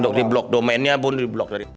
untuk di block domainnya pun di block dari bssn